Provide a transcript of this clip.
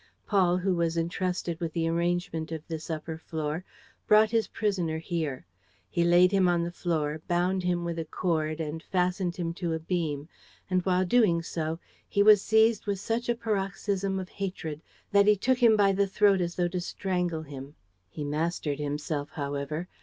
Paul, who was entrusted with the arrangement of this upper floor, brought his prisoner here. He laid him on the floor, bound him with a cord and fastened him to a beam; and, while doing so, he was seized with such a paroxysm of hatred that he took him by the throat as though to strangle him. He mastered himself, however.